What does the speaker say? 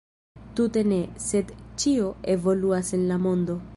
Tute ne, sed ĉio evoluas en la mondo!